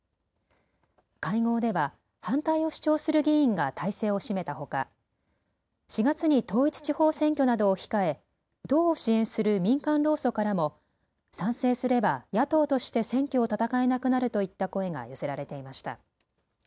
会合では反対を主張する議員が大勢を占めたほか４月に統一地方選挙などを控え党を支援する民間労組からも賛成すれば野党として選挙を戦えなくなるといった声が寄せられていました。